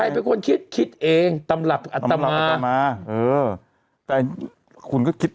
ใครเป็นคนคิดคิดเองตำลับอัตตามาตำลับอัตตามาเออแต่คุณก็คิด